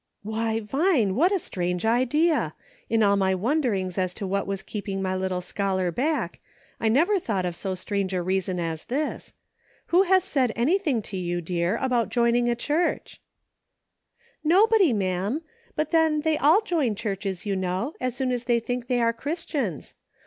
" Why, Vine, what a strange idea ! In all my wonderings as to what was keeping my little scholar back, I have never thought of so strange a reason as this. Who has said anything to you, dear, about joining a church .>*"" Nobody, ma'am ; but then they all join churches, you know, as soon as they think they are Christians.